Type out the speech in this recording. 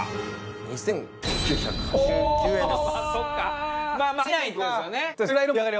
２９８９円です。